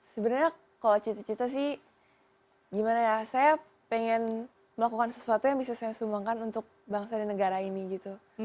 sebenarnya kalau cita cita sih gimana ya saya pengen melakukan sesuatu yang bisa saya sumbangkan untuk bangsa dan negara ini gitu